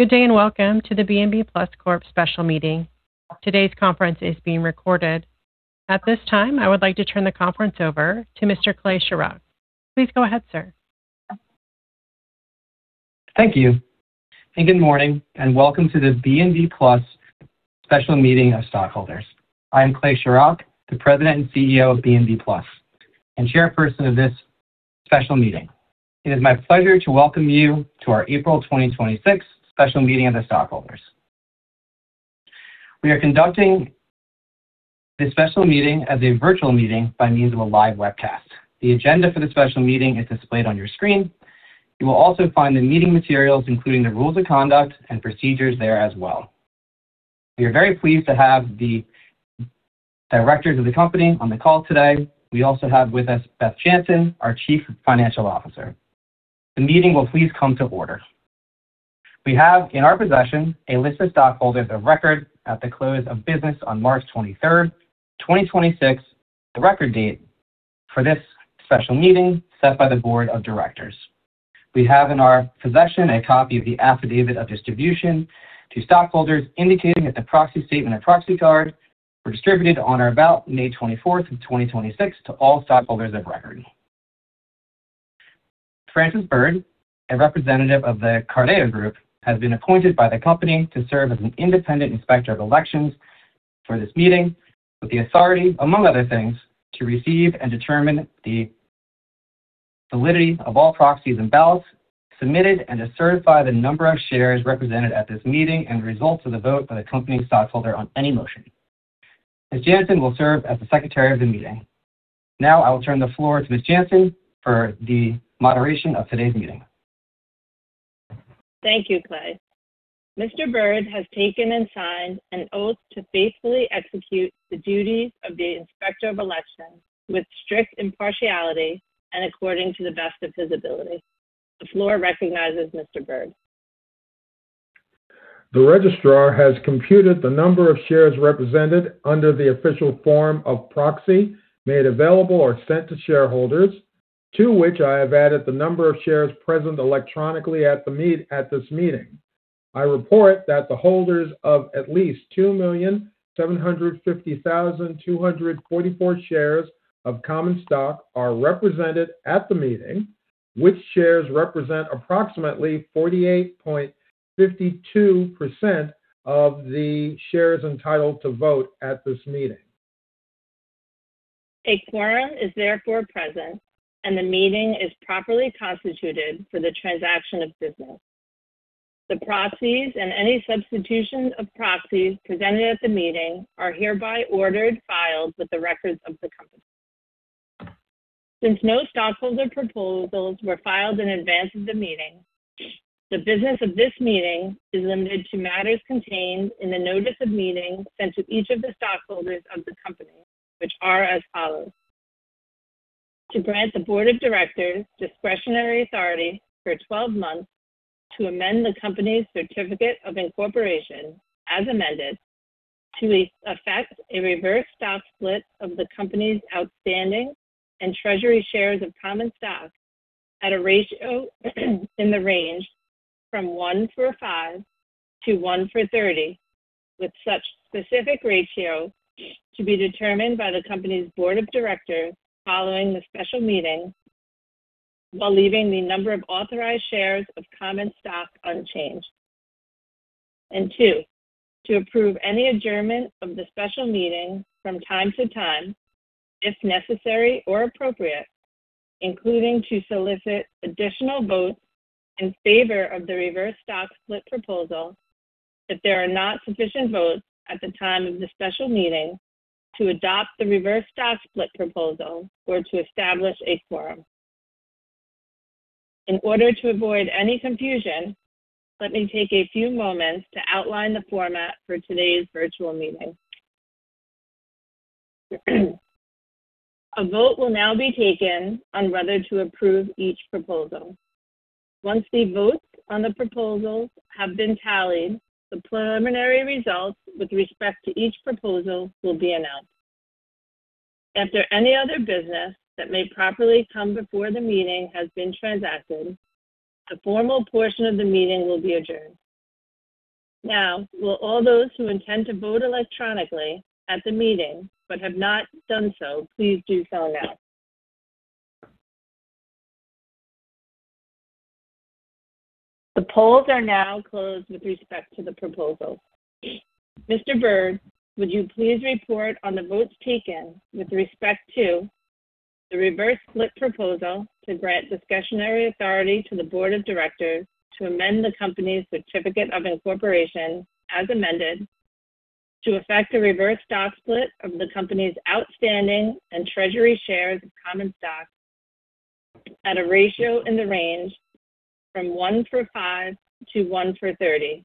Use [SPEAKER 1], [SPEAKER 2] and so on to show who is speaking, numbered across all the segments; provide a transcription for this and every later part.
[SPEAKER 1] Good day, and welcome to the BNB Plus Corp special meeting. Today's conference is being recorded. At this time, I would like to turn the conference over to Mr. Clay Shorrock. Please go ahead, sir.
[SPEAKER 2] Thank you. Good morning, and welcome to the BNB Plus special meeting of stockholders. I am Clay Shorrock, the President and CEO of BNB Plus, and chairperson of this special meeting. It is my pleasure to welcome you to our April 26th special meeting of the stockholders. We are conducting this special meeting as a virtual meeting by means of a live webcast. The agenda for the special meeting is displayed on your screen. You will also find the meeting materials, including the rules of conduct and procedures there as well. We are very pleased to have the directors of the company on the call today. We also have with us Beth Jantzen, our Chief Financial Officer. The meeting will please come to order. We have in our possession a list of stockholders of record at the close of business on March 23rd, 2026, the record date for this special meeting set by the board of directors. We have in our possession a copy of the affidavit of distribution to stockholders indicating that the proxy statement and proxy card were distributed on or about May 24th of 2026 to all stockholders of record. Francis Bird, a representative of The Carideo Group, has been appointed by the company to serve as an independent inspector of elections for this meeting with the authority, among other things, to receive and determine the validity of all proxies and ballots submitted and to certify the number of shares represented at this meeting and results of the vote by the company stockholder on any motion. Ms. Jantzen will serve as the secretary of the meeting. Now I will turn the floor to Ms. Jantzen for the moderation of today's meeting.
[SPEAKER 3] Thank you, Clay. Mr. Bird has taken and signed an oath to faithfully execute the duties of the inspector of election with strict impartiality and according to the best of his ability. The floor recognizes Mr. Bird.
[SPEAKER 4] The registrar has computed the number of shares represented under the official form of proxy made available or sent to shareholders, to which I have added the number of shares present electronically at this meeting. I report that the holders of at least 2,750,244 shares of common stock are represented at the meeting, which shares represent approximately 48.52% of the shares entitled to vote at this meeting.
[SPEAKER 3] A quorum is therefore present, and the meeting is properly constituted for the transaction of business. The proxies and any substitution of proxies presented at the meeting are hereby ordered filed with the records of the company. Since no stockholder proposals were filed in advance of the meeting, the business of this meeting is limited to matters contained in the notice of meeting sent to each of the stockholders of the company, which are as follows. To grant the board of directors discretionary authority for 12 months to amend the company's certificate of incorporation as amended to effect a reverse stock split of the company's outstanding and treasury shares of common stock at a ratio in the range from 1 for 5 to 1 for 30, with such specific ratio to be determined by the company's board of directors following the special meeting, while leaving the number of authorized shares of common stock unchanged. 2, to approve any adjournment of the special meeting from time to time, if necessary or appropriate, including to solicit additional votes in favor of the reverse stock split proposal if there are not sufficient votes at the time of the special meeting to adopt the reverse stock split proposal or to establish a quorum. In order to avoid any confusion, let me take a few moments to outline the format for today's virtual meeting. A vote will now be taken on whether to approve each proposal. Once the votes on the proposals have been tallied, the preliminary results with respect to each proposal will be announced. After any other business that may properly come before the meeting has been transacted, the formal portion of the meeting will be adjourned. Now, will all those who intend to vote electronically at the meeting but have not done so, please do so now. The polls are now closed with respect to the proposal. Mr. Bird, would you please report on the votes taken with respect to the reverse split proposal to grant discretionary authority to the board of directors to amend the company's certificate of incorporation as amended to effect a reverse stock split of the company's outstanding and treasury shares of common stock at a ratio in the range from 1-5 to 1-30,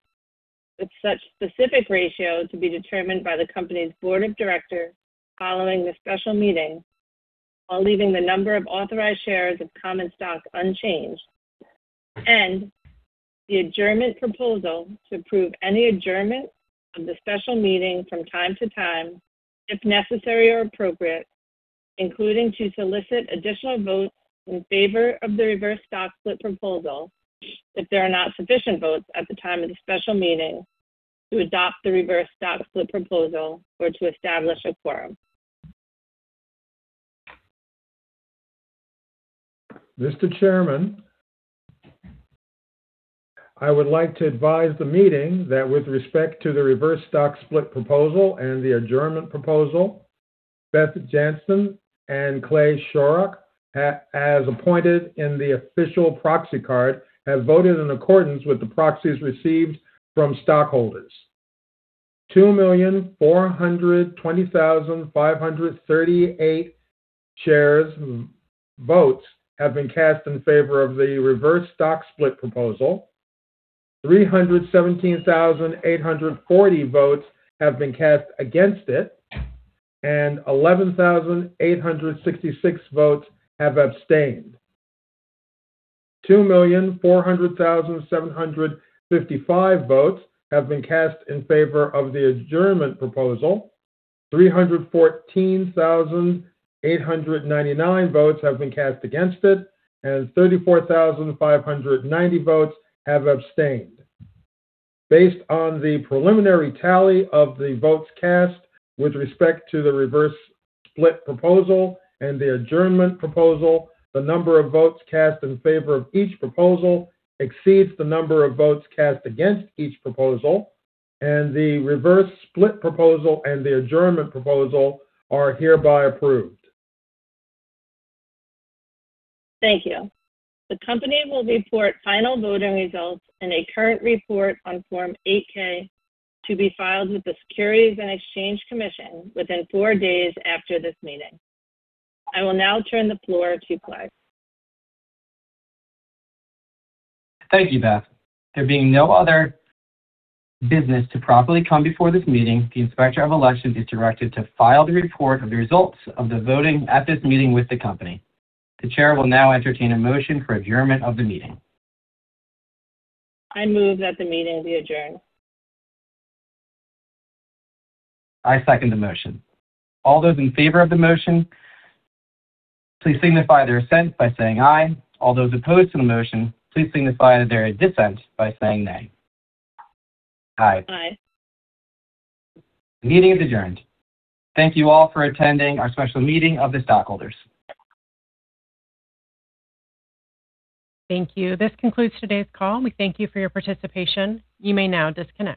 [SPEAKER 3] with such specific ratio to be determined by the company's board of directors following the special meeting, while leaving the number of authorized shares of common stock unchanged. The adjournment proposal to approve any adjournment of the special meeting from time to time, if necessary or appropriate, including to solicit additional votes in favor of the reverse stock split proposal if there are not sufficient votes at the time of the special meeting to adopt the reverse stock split proposal or to establish a quorum.
[SPEAKER 4] Mr. Chairman, I would like to advise the meeting that with respect to the reverse stock split proposal and the adjournment proposal, Beth Jantzen and Clay Shorrock, as appointed in the official proxy card, have voted in accordance with the proxies received from stockholders. 2,420,538 shares, votes have been cast in favor of the reverse stock split proposal. 317,840 votes have been cast against it, and 11,866 votes have abstained. 2,400,755 votes have been cast in favor of the adjournment proposal. 314,899 votes have been cast against it, and 34,590 votes have abstained. Based on the preliminary tally of the votes cast with respect to the reverse split proposal and the adjournment proposal, the number of votes cast in favor of each proposal exceeds the number of votes cast against each proposal, and the reverse split proposal and the adjournment proposal are hereby approved.
[SPEAKER 3] Thank you. The company will report final voting results in a current report on Form 8-K to be filed with the Securities and Exchange Commission within 4 days after this meeting. I will now turn the floor to Clay.
[SPEAKER 2] Thank you, Beth. There being no other business to properly come before this meeting, the inspector of elections is directed to file the report of the results of the voting at this meeting with the company. The chair will now entertain a motion for adjournment of the meeting.
[SPEAKER 3] I move that the meeting be adjourned.
[SPEAKER 2] I second the motion. All those in favor of the motion, please signify their assent by saying aye. All those opposed to the motion, please signify their dissent by saying nay. Aye.
[SPEAKER 3] Aye.
[SPEAKER 2] The meeting is adjourned. Thank you all for attending our special meeting of the stockholders.
[SPEAKER 1] Thank you. This concludes today's call. We thank you for your participation. You may now disconnect.